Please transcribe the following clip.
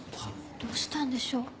どうしたんでしょう？